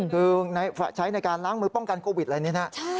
คือใช้ในการล้างมือป้องกันโควิดอะไรนี้นะ